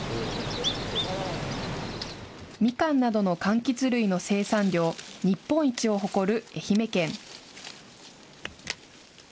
みかんなどのかんきつ類の生産量日本一を誇る愛媛県。